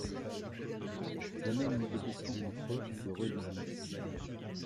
Jamais il n’était question entre eux de religion.